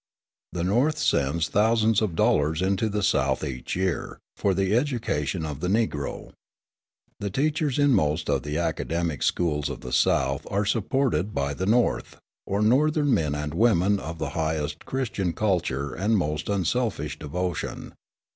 The North sends thousands of dollars into the South each year, for the education of the Negro. The teachers in most of the academic schools of the South are supported by the North, or Northern men and women of the highest Christian culture and most unselfish devotion.